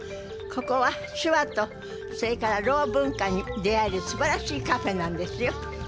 ここは手話とそれからろう文化に出会えるすばらしいカフェなんですよ。